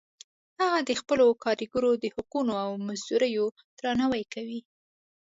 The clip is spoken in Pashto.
هغه د خپلو کاریګرو د حقونو او مزدوریو درناوی کوي